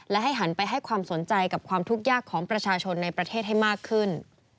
และให้หันไปให้ความสนใจกับความทุกข์ยากของประชาชนในประเทศให้มากขึ้น